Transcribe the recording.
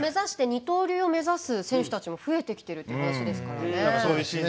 二刀流を目指す選手たちも増えてきているという話ですからね。